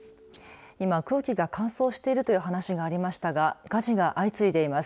今、空気が乾燥しているという話がありましたが火事が相次いでいます。